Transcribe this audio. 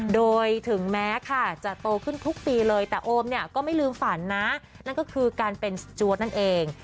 โดยถึงแม้ค่ะจะโตขึ้นทุกปีเลยแต่โอมเนี่ยก็ไม่ลืมฝันนะนั่นก็คือการเป็นสจวดนั่นเอง